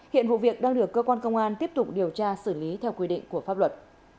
hiện vụ việc đang được cơ quan công an tiếp tục điều tra xử lý theo quy định của pháp luật